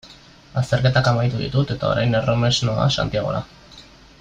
Azterketak amaitu ditut eta orain erromes noa Santiagora.